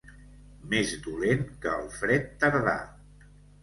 Més dolent que el fred tardà.